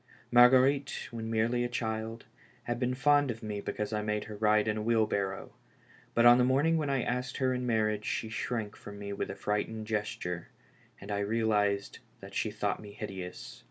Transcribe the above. Mar guerite, when merely a child, had been fond of me because I made her ride in a wheelbarrow, but on the morning when I asked her in marriage^she shrank from mo with a frightened gesture, and I realized that she thought me hideous.